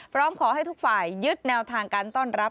พร้อมขอให้ทุกฝ่ายยึดแนวทางการต้อนรับ